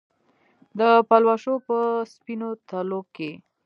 د پلوشو په سپینو تلو کې